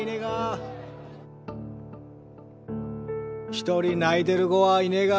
一人泣いてる子はいねが。